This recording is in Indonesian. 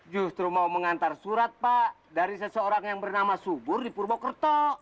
justru mau mengantar surat pak dari seseorang yang bernama subur di purwokerto